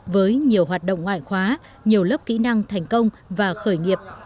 với nhiều hoạt động ngoại khóa nhiều lớp kỹ năng thành công và khởi nghiệp